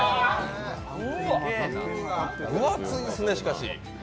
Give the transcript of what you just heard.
分厚いですね、しかし。